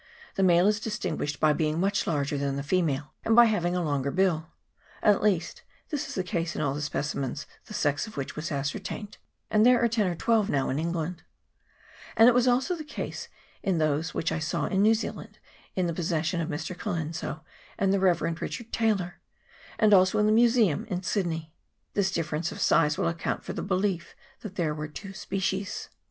The male is distinguished by being much larger than the female, and by hav ing a longer bill ; at least, this is the case in all the specimens the sex of which was ascertained and there are ten or twelve now in England ; and it was also the case in those which I saw in New Zealand in the possession of Mr. Colenzo and the Rev. Richard Taylor, and also in the Museum in Sydney. This difference of size will account for the belief that there were two species.